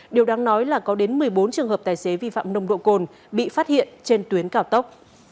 điều đáng nói là có đến một mươi bốn trường hợp tài xế vi phạm nồng độ cồn bị phát hiện trên tuyến cao tốc